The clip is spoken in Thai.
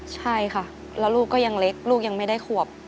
ใช่ค่ะแล้วลูกก็ยังเล็กลูกยังไม่ได้ขวบ